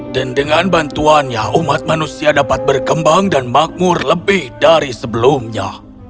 dan dengan bantuannya umat manusia dapat berkembang dan makmur lebih dari sebelumnya